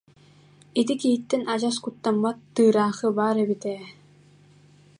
Ити киһиттэн адьас кут- таммат тыыраахы баар эбит ээ